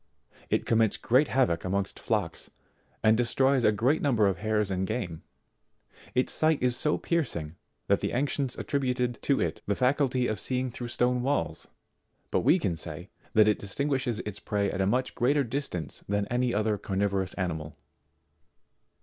It commits great havoc amongst Jlocks, and destroys a great number of hares and game : its sight is so piercing that the ancients attributed to it the faculty of seeing through stone walls ; but we can say, that it distinguishes its prey at a much greater distance than any other carnivorous animal.